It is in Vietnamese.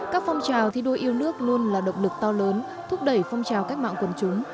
các phong trào thi đua yêu nước luôn là động lực to lớn thúc đẩy phong trào cách mạng quần chúng